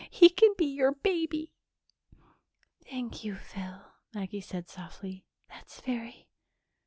He can be your baby." "Thank you, Phyl," Maggie said softly. "That's very